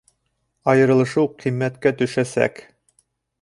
Айырылышыу ҡиммәткә төшәсәк